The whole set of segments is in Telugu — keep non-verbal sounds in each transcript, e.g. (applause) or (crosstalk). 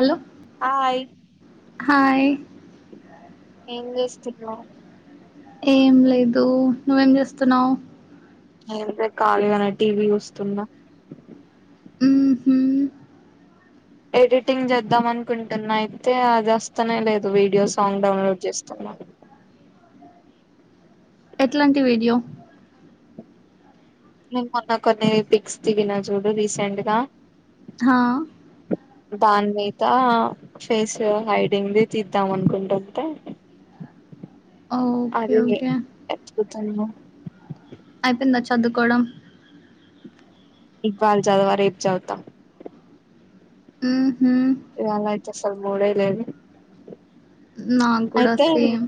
హలో హాయ్ హాయ్ ఎం చేస్తున్నావ్ ఏం లేదు నువ్వేం చేస్తున్నావు ఏం లే ఖాళీగానే టీవీ చూస్తున్నా ఉ హు ఎడిటింగ్ చేద్దాం అనుకుంటున్నా అయితే అది వస్తానే లేదు వీడియో సాంగ్ డౌన్లోడ్ చేస్తున్నా అలా ఎట్లాంటి వీడియో నేను మొన్న కొన్ని పిక్స్ దిగినా చూడు రీసెంట్ గా హా దాని మీద ఫేస్ హైడింగ్ది తీద్దాం అనుకుంటుంటే ఓకే ఓకే అ అయిపోయిందా చదువుకోవడం ఇవ్వాళ చదవ రేపు చదువుత ఊహూ ఇవాళ అయితే అసలు మూడే లేదు నాకు కూడా అయితే సేమ్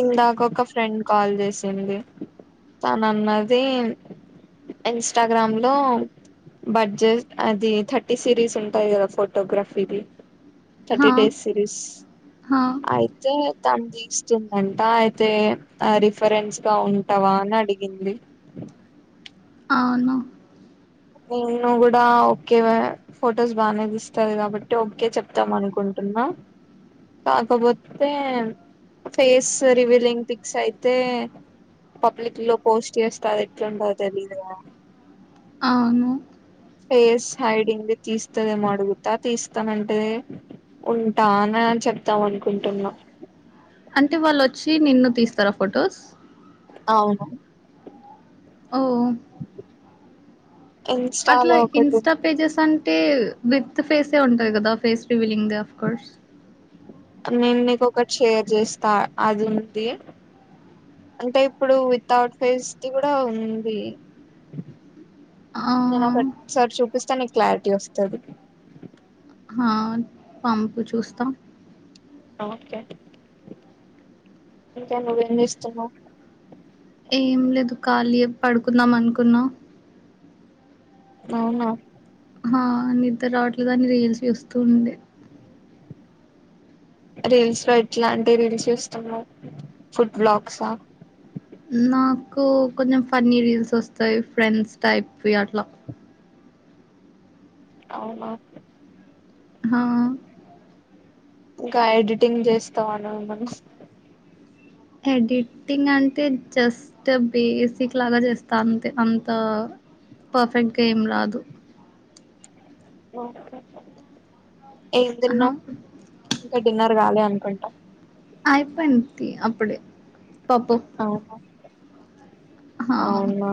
ఇందాక ఒక ఫ్రెండ్ కాల్ చేసింది తను అన్నది ఇన్స్టాగ్రామ్ లో బడ్జెట్ అది థర్టీ సిరీస్ ఉంటాయి కదా ఫోటోగ్రఫీది హా థర్టీ డేస్ సిరీస్ హా అయితే త ద వందంట అయితే ఆ రిఫరెన్స్ గా ఉంటావా అని అడిగింది అవును నిను కూడా ఓకె ఫొటోస్ బాగానే ఇస్తారు కాబట్టి ఓకే చెప్తాం అనుకుంటు అన్నా కాకపోతే ఫేస్ రివీలింగ్ పిక్స్ అయితే పబ్లిక్ లో పోస్ట్ చేస్తారు ఎట్లుండో తెలిదు ఆ ఫేస్ హైడింగ్ది తీస్తుదమోడుగుతా తీస్తామంటే ఉంటానన చెప్తాం అనుకుంటున్నా అంటే వాళ్ళు వచ్చి నిన్ను తీస్తారా ఫొటోస్ అవును ఓ అట్లా ఇన్స్టాలో ఒకటి ఉంది. ఇన్స్టపేజెస్ అంట అంటే విత్ ఫేసే ఉంటంది కదా ఫేస్ రివిలింగ్ ద ఆఫ్ కోర్స్ నేను నీక ఒకటి షేర్ చేస్తా అది ఉంది అంటే ఇప్పుడు వితౌట్ ఫేస్ కి కూడా ఉంది ఆ, నేను ఒక సారి చూపిస్తా నీకు క్లారిటీ వస్తుంది ఆ పంపు చూస్తా ఓకే ఇంకా నువేమి చెస్టున్నవ్ ఏం లేదు ఖాళీ పడుకుందాం అనుకున్నా అవునా అన్ని ఇద్దరు ఆట్లు కాని రైల్స్ వస్తూ ఉండే రీల్స్ లో ఎట్లాంటి రీల్స్ చస్తాము ఫుడ్ బ్లాగ్సా నాకు కొంచెం ఫన్నీ రీల్స్ వస్తాయి ఫ్రెండ్స్ టైపో అట్లా అవునా హా ఇంకా ఎడిటింగ్ చేస్తావాను మం ఎడిటింగ్ అంటే జస్ట్ బేసిక్ లాగా చేస్తా అంతే అంత పర్ఫెక్ట్గా ఏం రాదు ఓ ఎమ్ ఆహా తిన్నవ్ ఇంకా డిన్నర్ గాలే అనుకుంటాం అయిపో ఎంత అప్పుడే పాపం అవు హా అవునా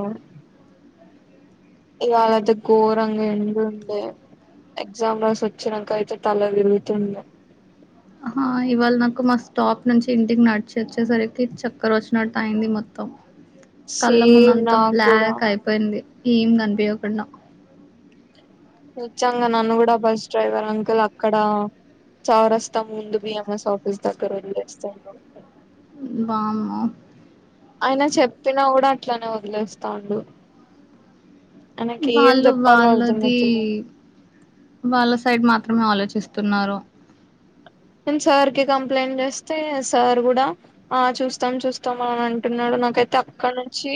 ఇవాళది ఘోరంగా ఎందు ఉండ ఎగ్జామ్ రస్ వచ్చాక అయితే తల విరుగుతుంది ఇవాళ నాకు మా స్టాప్ నుంచి ఇంటికి నడిచి వచ్చేసరికి చక్కర వచ్చినట్టు అయింది మొత్తం కళ్ళ ముందు సేమ్ అంతా నాకు కూడా బ్లాక్ అయిపోయింది ఏం కనిపయకుండా నిజంగా నన్ను కూడా బస్ డ్రైవర్ అంకుల్ అక్కడ చౌ రస్తా మూంద బ ఎఎస్ ఆఫస్ తగ రస్త బాము అయిన చెప్పినా కూడా అట్లనే వదిలేస్తాండు ఆయనకి ఏం వాళ్ళు చెప్పాలో వాళ్ళది అర్థమైతలేదు వాళ్ళ సైడ్ మాత్రమే ఆలోచిస్తున్నారు నేను సార్ కి కంప్లైంట్ చేస్తే సార్ కూడా ఆ చూస్తాం చూస్తాం అని అంటున్నాడు నాకైతే అక్కడ నుంచి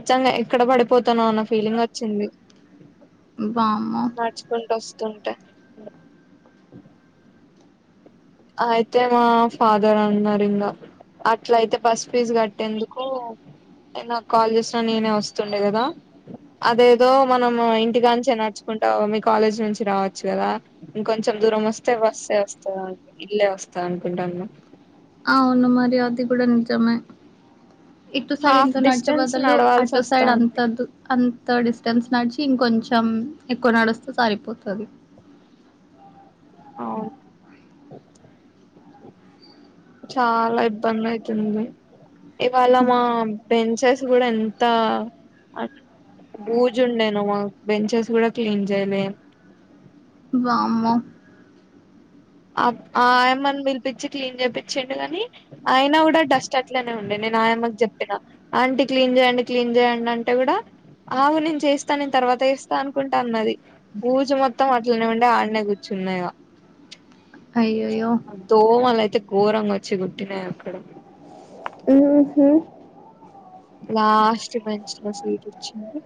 నిజంగా ఎక్కడ పడిపోతాను అన్న ఫీలింగ్ వచ్చింది (unintelligible) వామ్మో మడుచుకుంటూ వస్తుంటే అయితే మా ఫాదర్ అన్నారు ఇంకా అట్లయితే బస్ ఫీజు కట్టేందుకు, నాకు కాల్ చేసిన, నేనే వస్తుండే కదా! అదేదో మనం ఇంటికాంచే నడుచుకున్ మీ కాలేజ్ నుంచి రావచ్చు కదా! ఇంకొంచెం దూరం వస్తే బస్సే వస్తదని ఇల్లె వస్త అనుకుంటాన్న. అవును మరి ఆది కూడ నిజమే. ఇటు సైడ్ హాఫ్ ఇంత నడిచే డిస్టెన్స్ బదులు, నడవాల్సి అటు సైడ్ అంత, వస్తాంది అంత డిస్టెన్స్ నడిచ్ ఇంకొంచెం ఎక్కువ నడిస్తే సరిపోతది. అవును అ చాలా ఇబ్బంది అయితుంది. ఇవాళ మా బెంచెస్ కూడ ఎంత అ బూజుండేనో, మాకు బెంచెస్ కూడ క్లీన్ చేయలే. వామ్మో ఆ ఆ ఆయమ్మని పిలిపిచ్చి, క్లీన్ చేపిచ్చిండు కాని, అయినా కూడ డస్ట్ అట్లనే ఉండే. నే నేను ఆయమ్మకి చెప్పిన. అంటీ క్లీన్ చేయండి. క్లీన్ చేయండి. అంటే కూడ ఆవు నేను చేస్తా. నేను తర్వాత చేస్తా. అనుకుంటా అన్నది భూజు మొత్తం అట్లనే ఉండే. ఆడనే కూర్చు ఉన్న ఇగ. అయ్యయ్యో ఆ దోమలయితే ఘోరంగా వచ్చి కుట్టినాయి అక్కడ. మ్ హు లాస్ట్ బెంచ్ లో సీటోచ్చింది.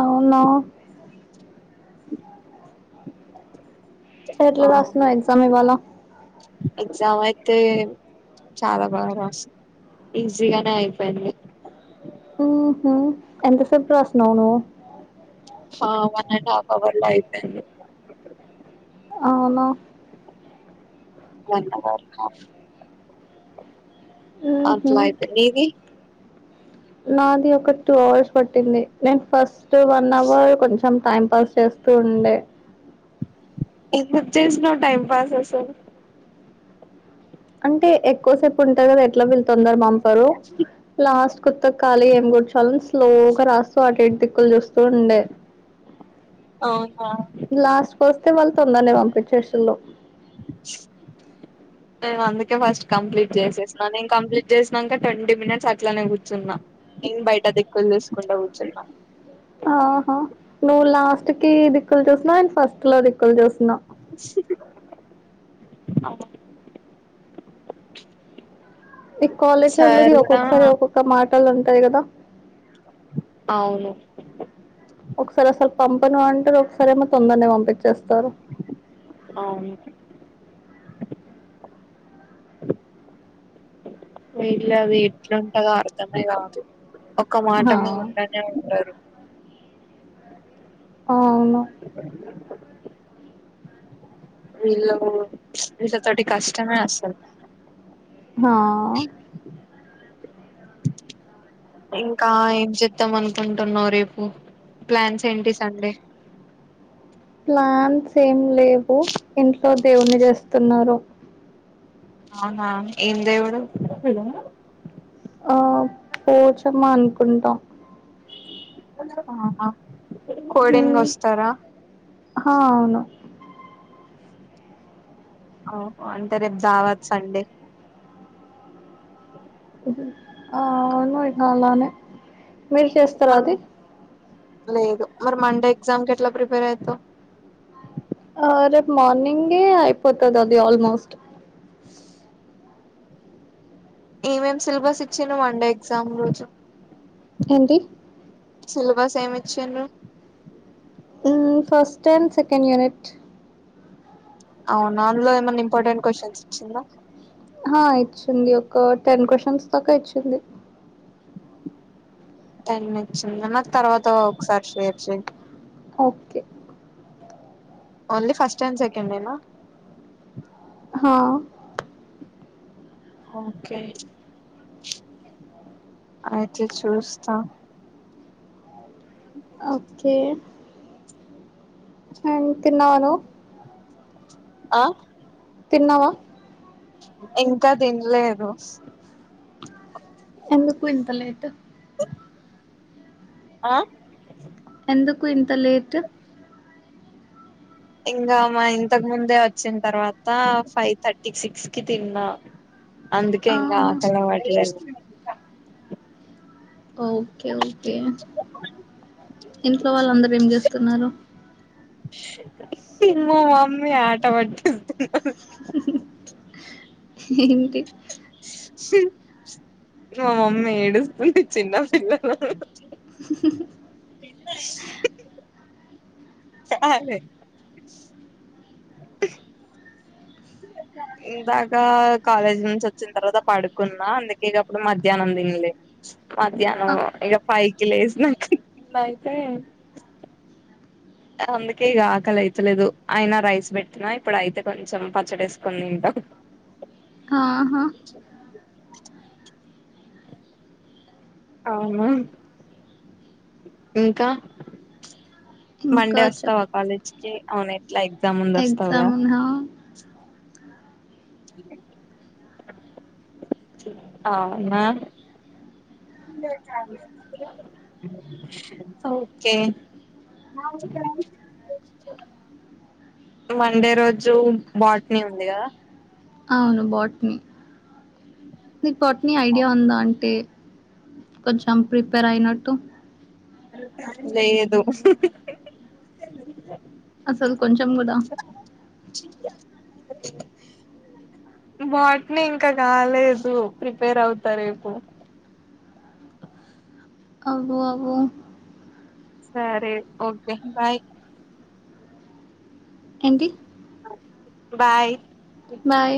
అవునా ఎట్ల ఆ రాసినవ్ ఎగ్జామ్ ఇవాళ? ఎగ్జామ్ అయితే, చాలా బాగ రాసిన. ఈజీగానే అయిపోయింది. మ్ హు ఎంతసేప్ రాసినావ్ నువ్వు? ఆ వన్ అండ్ హాఫ్ అవర్ లో అయిపోయింది. అవునా వన్ అవర్ హాఫ్ ఊహూ. అట్లయితే నీది నాది ఒక టూ అవర్స్ పట్టింది. నేను ఫస్ట్ వన్ అవర్ కొంచ చం టైం పాస్ చేస్తూ ఉండే. ఎందుకు చేసినావ్ టైమ్ పాస్ అసలు? ఎ ఎక్కువసేపు ఉంటా కదా, ఎట్లా వీళ్ళు తొందర పంపరు లాస్ట్ కొత్త కాలియే. నేన్ చాలా స్లోగా రాస్తూ, అటు ఇటు దిక్కులు చూస్తూ ఉండే. ఆ లాస్ట్ కు వస్తే వాళ్ తొందరనే పంపించేసిల్లు. అ నేను అందుకే ఫస్ట్ కంప్లీట్ చేసేసిన. నేను కంప్లీట్ చేసినంక ట్వంటీ మినిట్స్ అట్లనే కూర్చున్న. నెన్ బయట దిక్కులు చూసుకుంట కూర్చున్న. ఆహా, నువ్వు లాస్ట్ కి దిక్కులు చూసిన. నేన్ ఫస్ట్ లో దిక్కులు చూసిన. అవునా ఈ కాలేజోల్లది, ఒక్కొక్కసారి ఒక్కొక్క మాటలు ఉంటాయి కదా! అవును. ఒకసారి అసలు పంపను అంటారు, ఒకసారి ఏమో తొందరనే పంపించేస్తారు. అవును మేబి అవి ఎట్లుంటాయో అర్థమే కాదు. ఒక్క మాట మీద ఆ! ఉండనే ఉండరు. అవున వీళ్లు, వీళ్ళతోటి కష్టమే అసలు. మా ఇంకా ఏం చెద్దాం అనుకుంటున్నావు రేపు ప్లాన్స్ ఏంటి సండే ప్లాన్స్ ఏం లేవు ఇంట్లో దేవుని చేస్తున్నారు అవునా ఏం దేవుడు ఆ పోచమ్మ అనుకుంటాం ఆహా కోడిన్ గోస్తారా హా అవును ఓహ అంటే రేపు జావద్ సండే ఆ అవును ఇక అలానే మీరు చేస్తరా మరి అది లేదు మరి మండే ఎగ్జామ్ కెట్ల ప్రిపేర్ అయితవ్ ఆ రేపు మార్నింగే అయిపోతది అది ఆల్మోస్ట్ ఏమేం సిలబస్ ఇచ్చిన్రు వండే ఎగ్జామ్ రోజు ఏంటి సిలబస్ ఏమిచ్చిన్రు హ్మ్ ఫస్ట్ అండ్ సెకండ్ యూనిట్ అవునా అందులో ఏమన్నా ఇంపార్టెంట్ క్వశ్చన్స్ ఇచ్చిందా హా ఇచ్చింది ఒక టెన్ క్వశన్స్ దాకా ఇచ్చింది టెన్ మినిట్స్ ఉంద నాకు తర్వాత ఒకసారి షేర్ చై okay only first and second ఏనా హ ఓకే అయితే చూస్తా ఓకే తిన్నావ ను ఆ తిన్నావా ఇంకా దిన్లేదు ఎందుకు ఇంతలేట్ ఆ ఎందుకు ఇంత లేట్ ఇంగా మా ఇంతకు ముందే వచ్చిన్ తర్వాత ఫైవ్ థర్టీ సిక్స్ కి తిన్నా అందుకే ఇంగా ఆహా ఆకలి అవ్వట్లేదు ఓకేఓకే ఇంట్లో వాళ్ళుందరూ ఏం జేస్తున్నారు ఏమో మమ్మీ ఆట పట్టిస్థాని ఏంటి మా మమ్మీ ఏడుస్తుంది చిన్నపిల్లల ఎ అ అదే ఇందాకా కాలేజ్ నుంచి వచ్చిన తర్వాత పడుకున్నా అందుకేగప్పుడు మధ్యాహ్నం దిన్లె మధ్యాహ్నం ఆ, ఇగ ఫై కి లేసిన కింద అయితే అందుకే ఇగ ఆకలి అయితలేదు అయినా రైస్ పెట్టినా ఇప్పుడు అయితే కొంచెం పచ్చడేసుకొని దింట ఆహా అవునా ఇంకా ప్చ్ ఇంకా మండే చెప్ వస్తావా కాలేజ్ కి అవున ఎట్లా ఎగ్జామ్ ఉంది వస్తావ్ గా ఎగ్జామ్ ఉందా అవునా ఓకే నాయి గాయి మండే రోజు బాట్నీ ఉంది గదా అవును బాట్ని నీకు బాట్నీ ఐడియా ఉందా అంటే కొంచెం ప్రిపేర్ అయినట్టు లేదు అసలు కొంచం కూడ వాటిని ఇంక కాలేదు ప్రిపేర్ అవుతారేపు అవ్వు అవ్వు సరే ఒకే బాయ్ ఏంటి బాయ్ బాయ్